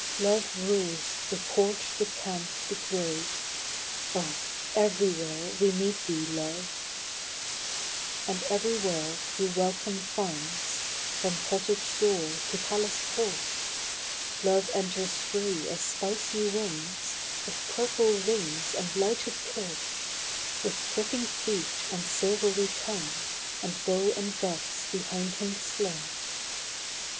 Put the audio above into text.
Love rules " the court, the camp, the grove " Oh, everywhere we meet thee, Love ! And everywhere he welcome finds, From cottage door to palace porch Love enters free as spicy winds, With purple wings and lighted torch, With tripping feet and silvery tongue, And bow and darts behind him slung.